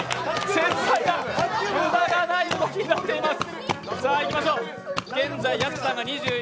繊細な、無駄がない動きになっています。